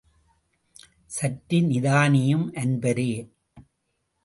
சற்று நிதானியும் அன்பரே.